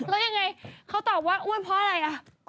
แล้วยังไงเขาตอบว่าอัลกินเพราะอะไร